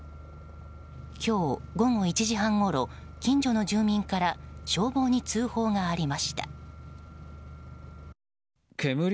今日午後１時半ごろ近所の住民から消防に通報がありました。